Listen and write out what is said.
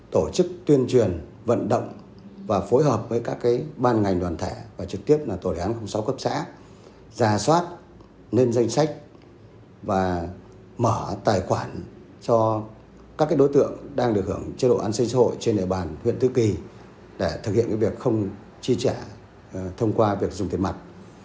tổ chức tuyên truyền vận động và phối hợp với các ban ngành đoàn thể và trực tiếp tổ đề án sáu cấp xã giả soát lên danh sách và mở tài khoản cho các đối tượng đang được hưởng chế độ an sinh xã hội trên địa bàn huyện tứ kỳ để thực hiện việc không tri trả thông qua việc dùng tiền mặt